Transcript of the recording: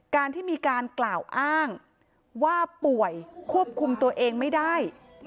การที่มีการกล่าวอ้างว่าป่วยควบคุมตัวเองไม่ได้